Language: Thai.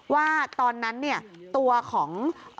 ว่าตอนนั้นเนี่ยตัวของ